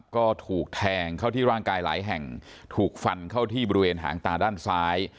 ก็ถูกแทงเข้าที่ร่างกายหลายแห่งถูกฟันเข้าที่บริเวณหางตาด้านซ้าย